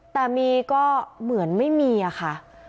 แต่มีก็เหมือนไม่มีอะค่ะ